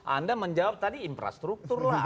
anda menjawab tadi infrastruktur lah